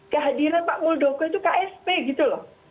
kehadiran pak muldoko itu ksp gitu loh